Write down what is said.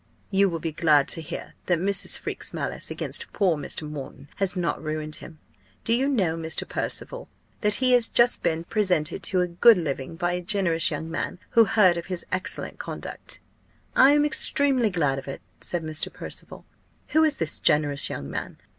You will be glad to hear that Mrs. Freke's malice against poor Mr. Moreton has not ruined him. Do you know Mr. Percival, that he has just been presented to a good living by a generous young man, who heard of his excellent conduct?" "I am extremely glad of it," said Mr. Percival. "Who is this generous young man?